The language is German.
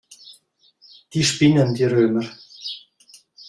Die spinnen, die Römer.